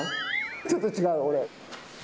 ちょっと違う、俺。